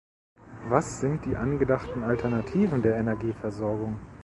Was sind die angedachten Alternativen der Energieversorgung?